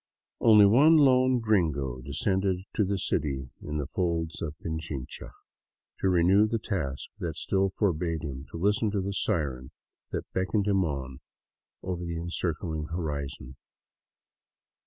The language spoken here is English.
Only one lone gringo descended to the city in the folds of Pichinoha, to renew the task that still forbade him to listen to the siren that beckoned him on over the encircling horizon.